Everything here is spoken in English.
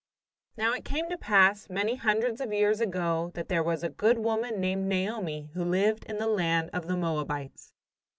Now it came to pass, many hundreds of years ago, that there was a good woman named Naomi who lived in the land of the Moabites.